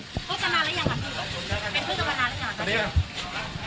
เพื่อนกันมาแล้วยังหรือยังครับเป็นเพื่อนกันมาแล้วยังหรือยัง